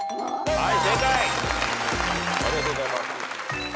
はい。